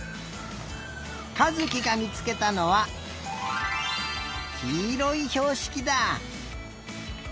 かずきがみつけたのはきいろいひょうしきだ。